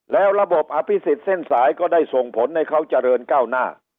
แล้วระบบอภิษฎเส้นสายก็ได้ส่งผลให้เขาเจริญก้าวหน้า